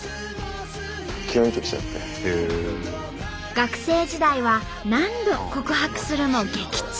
学生時代は何度告白するも撃沈。